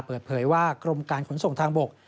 เปิดเผยว่ากรมการขนส่งทางบก